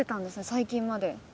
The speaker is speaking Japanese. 最近まで。